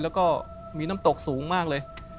แล้วก็มีน้ำตกสูงมากเลย